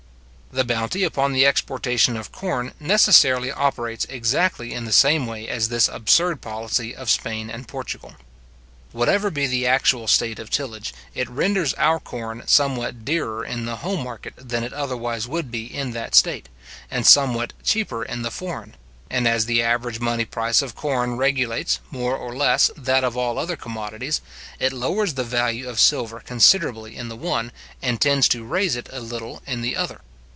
The bounty upon the exportation of corn necessarily operates exactly in the same way as this absurd policy of Spain and Portugal. Whatever be the actual state of tillage, it renders our corn somewhat dearer in the home market than it otherwise would be in that state, and somewhat cheaper in the foreign; and as the average money price of corn regulates, more or less, that of all other commodities, it lowers the value of silver considerably in the one, and tends to raise it a little in the other.